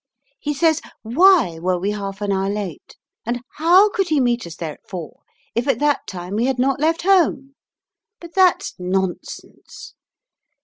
He says, Why were we half an hour late? and how could he meet us there at four if at that time we had not left home? But that's nonsense.